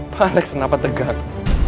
pak alex kenapa tegang